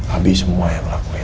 abi semua yang melakukannya